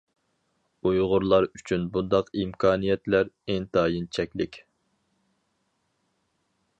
ئۇيغۇرلار ئۈچۈن بۇنداق ئىمكانىيەتلەر ئىنتايىن چەكلىك.